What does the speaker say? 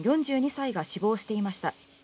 ４２歳が死亡していました。